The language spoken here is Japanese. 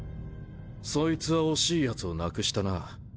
そいつは惜しいヤツを亡くしたな。